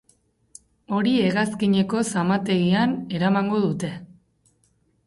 Hori hegazkineko zamategian eramango dute.